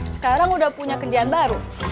sekarang udah punya kerjaan baru